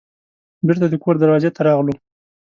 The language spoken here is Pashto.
بیرته د کور دروازې ته راغلو.